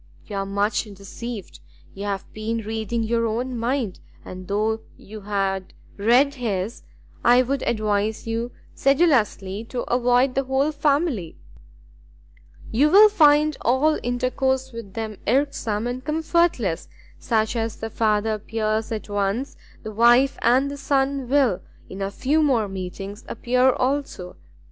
"You are much deceived; you have been reading your own mind, and thought you had read his: I would advise you sedulously to avoid the whole family; you will find all intercourse with them irksome and comfortless: such as the father appears at once, the wife and the son will, in a few more meetings, appear also.